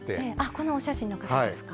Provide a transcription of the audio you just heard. このお写真の方ですか？